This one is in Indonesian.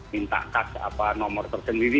minta kak apa nomor tersebut